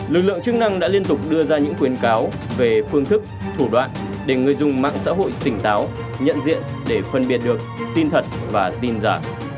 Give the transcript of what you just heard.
lực lượng chức năng đã liên tục đưa ra những khuyến cáo về phương thức thủ đoạn để người dùng mạng xã hội tỉnh táo nhận diện để phân biệt được tin thật và tin giả